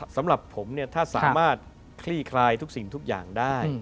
สำหรับผมเนี่ยถ้าสามารถคลี่คลายทุกสิ่งทุกอย่างได้